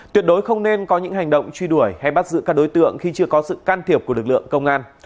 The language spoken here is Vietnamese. tuyệt đối không nên có những hành động truy đuổi hay bắt giữ các đối tượng khi chưa có sự can thiệp của lực lượng công an